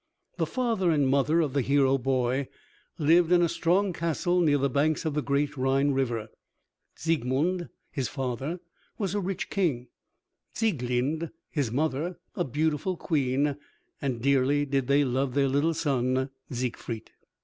The father and mother of the hero boy lived in a strong castle near the banks of the great Rhine river. Siegmund, his father, was a rich king, Sieglinde, his mother, a beautiful queen, and dearly did they love their little son Siegfried.